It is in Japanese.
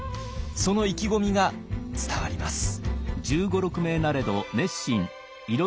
その意気込みが伝わります。